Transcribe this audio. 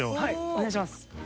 お願いします。